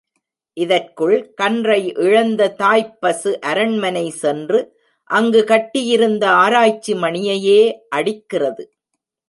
இதற்குள் கன்றை இழந்த தாய்ப் பசு அரண்மனை சென்று அங்கு கட்டியிருந்த ஆராய்ச்சி மணியையே அடிக்கிறது.